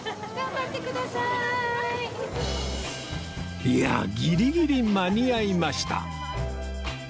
いやギリギリ間に合いました